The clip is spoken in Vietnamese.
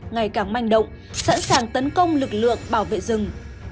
ngày càng manh động sẵn sàng tấn công lực lượng bảo vệ rừng